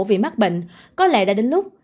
vì mắc bệnh có lẽ đã đến lúc